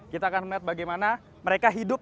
kita akan melihat bagaimana mereka hidup